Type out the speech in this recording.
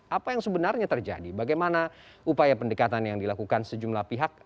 apa yang sebenarnya terjadi bagaimana upaya pendekatan yang dilakukan sejumlah pihak